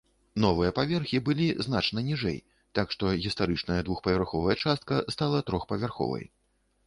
Новыя паверхі былі значна ніжэй, так што гістарычная двухпавярховая частка стала трохпавярховай.